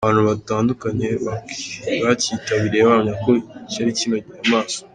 Abantu batandukanye bakitabiriye bahamya ko cyari kinogeye amaso.